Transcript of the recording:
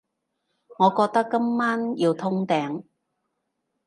我覺得今晚要通頂